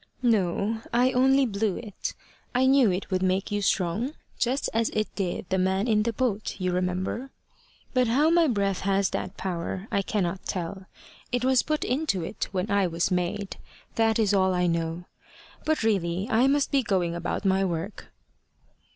"No: I only blew it. I knew it would make you strong, just as it did the man in the boat, you remember. But how my breath has that power I cannot tell. It was put into it when I was made. That is all I know. But really I must be going about my work."